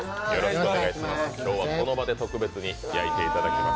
今日は、この場で特別に焼いていただきます。